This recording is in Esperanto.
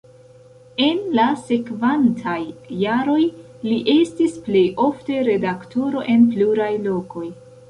En la sekvantaj jaroj li estis plej ofte redaktoro en pluraj lokoj.